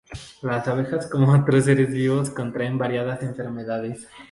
Las abejas como otros seres vivos contraen variadas enfermedades.